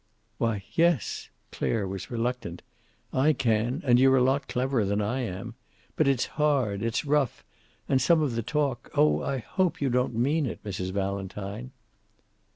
"Why, yes." Clare was reluctant. "I can, and you're a lot cleverer than I am. But it's hard. It's rough, and some of the talk oh, I hope you don't mean it, Mrs. Valentine."